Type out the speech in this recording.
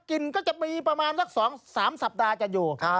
ก็จะมีประมาณสัก๒๓สัปดาห์กันอยู่